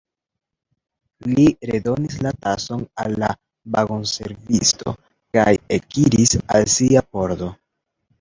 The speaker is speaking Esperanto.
Li redonis la tason al la vagonservisto, kaj ekiris al sia pordo.